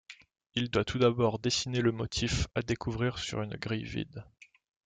Il doit tout d'abord dessiner le motif à découvrir sur une grille vide.